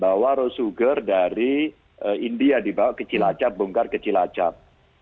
bawa rose sugar dari india dibawa kecil acap bongkar kecil acap